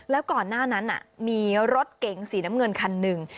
แล้วก่อนหน้านั้นมีรถเก๋งสีน้ำเงินคันหนึ่ง